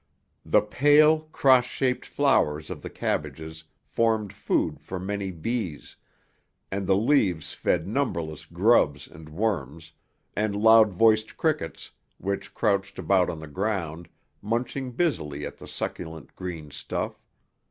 The pale, cross shaped flowers of the cabbages formed food for many bees, and the leaves fed numberless grubs and worms, and loud voiced crickets which crouched about on the ground, munching busily at the succulent green stuff.